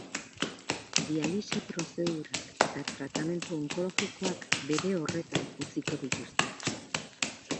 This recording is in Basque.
Dialisi prozedurak eta tratamendu onkologikoak bere horretan utziko dituzte.